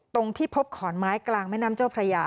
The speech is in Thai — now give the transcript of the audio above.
ตรงที่พบขอนไม้กลางแม่น้ำเจ้าพระยา